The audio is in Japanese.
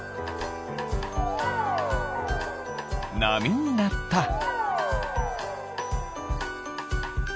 なみになった。